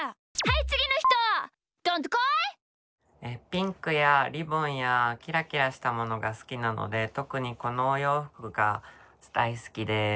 ピンクやリボンやキラキラしたものがすきなのでとくにこのおようふくがだいすきです。